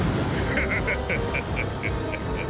ハハハハハッ！